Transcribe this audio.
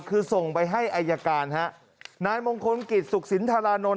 คือส่งไปให้อายการฮะนายมงคลกิจสุขสินธารานนท